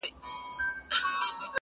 • تښتولی له شته منه یې آرام وو -